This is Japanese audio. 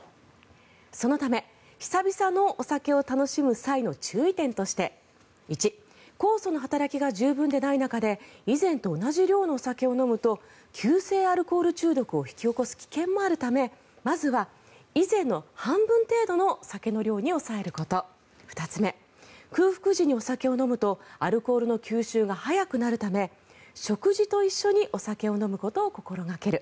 そのため、久々のお酒を楽しむ際の注意点として１、酵素の働きが十分でない中で以前と同じ量のお酒を飲むと急性アルコール中毒を引き起こす危険もあるためまずは以前の半分程度のお酒の量に抑えること２つ目、空腹時にお酒を飲むとアルコールの吸収が早くなるため食事と一緒にお酒を飲むことを心掛ける。